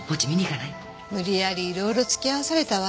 無理やり色々付き合わされたわ。